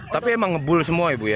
tapi emang ngebul semua ibu ya